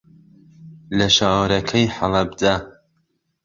لە شارەکەی حهلهبجه